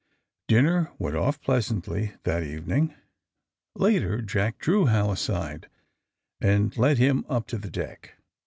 Dinner went otf pleasantly that evening. Later Jack drew Hal aside and led him up to the deck.